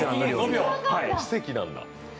奇跡なんだ。